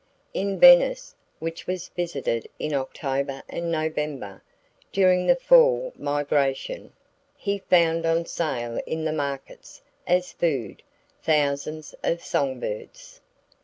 In Venice, which was visited in October and November, during the fall migration, he found on sale in the markets, as food, thousands of songbirds.